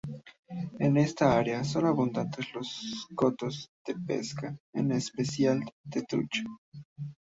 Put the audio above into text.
En esta área son abundantes los cotos de pesca, en especial de trucha.